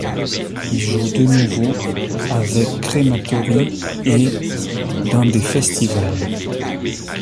Il joue de nouveau avec Crematory et dans des festivals.